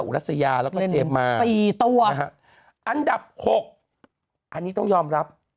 รัสยาแล้วก็เจมส์มาสี่ตัวนะฮะอันดับ๖อันนี้ต้องยอมรับ